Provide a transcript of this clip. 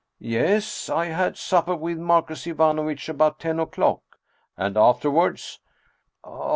"" Yes ! I had supper with Marcus Ivanovitch about ten o'clock." "And afterwards?"